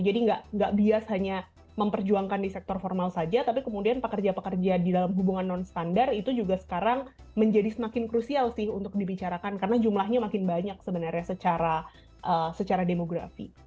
jadi nggak biasanya memperjuangkan di sektor formal saja tapi kemudian pekerja pekerja di dalam hubungan nonstandar itu juga sekarang menjadi semakin krusial sih untuk dibicarakan karena jumlahnya makin banyak sebenarnya secara demografi